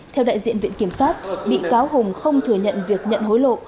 theo đại diện viện kiểm sát bị cáo hùng không thừa nhận việc nhận hối lộ